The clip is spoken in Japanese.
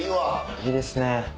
いいですね。